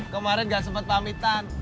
kemarin gak sempet pamitan